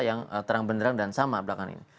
yang terang benderang dan sama belakang ini